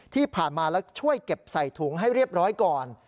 ที่ผ่านมาแล้วช่วยเก็บใส่ถุงให้เรียบร้อยก่อน